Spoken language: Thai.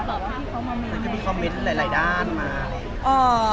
มันก็มีคอมเม้นต์หลายด้านมา